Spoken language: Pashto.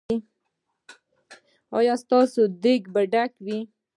ایا ستاسو دیګ به ډک وي؟